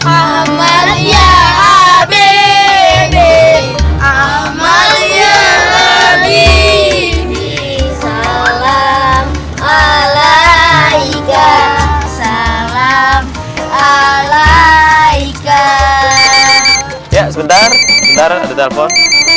ahmadiyah habib ahmadiyah habib salam alaika salam alaika ya sebentar sebentar ada telepon